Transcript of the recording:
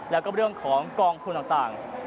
แล้วก็เรื่องของกองทุนต่าง